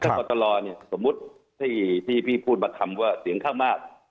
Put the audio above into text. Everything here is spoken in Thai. กรตลเนี่ยสมมุติที่พี่พูดมาคำว่าเสียงข้างมาก